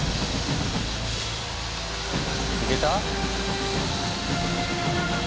いけた？